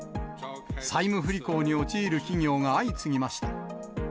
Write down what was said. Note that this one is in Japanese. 債務不履行に陥る企業が相次ぎました。